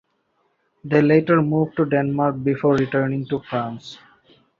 They later moved to Denmark before returning to France.